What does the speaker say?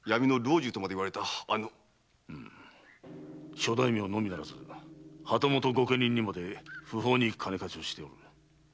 うむ諸大名のみならず旗本御家人にまで不法に金貸しをしている。